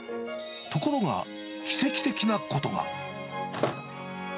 ところが、奇跡的なことが。